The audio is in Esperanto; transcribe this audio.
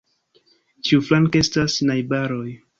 Ĉiuflanke estas najbaroj.